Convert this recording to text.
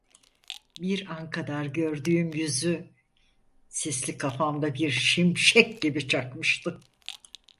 Bir an kadar gördüğüm yüzü, sisli kafamda bir şimşek gibi çakmıştı.